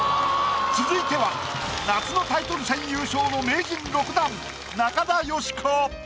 続いては夏のタイトル戦優勝の名人６段中田喜子。